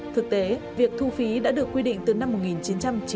thực tế việc thu phí đã được quy định từ năm một nghìn chín trăm chín mươi